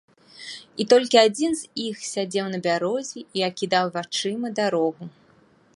І толькі адзін з іх сядзеў на бярозе і акідаў вачыма дарогу.